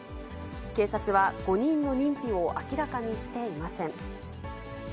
警察は、５人の認否を明らかにしていません。